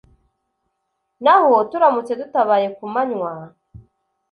Naho turamutse dutabaye ku manywa,